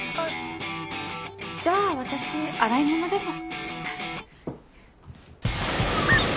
じゃあ私洗い物でも。